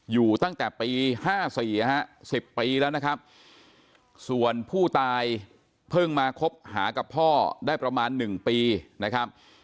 อยู่ตั้งแต่ปี๕๔๑๐ปีแล้วนะครับส่วนผู้ตายเพิ่งมาคบหากับพ่อได้ประมาณ๑ปีนะครับ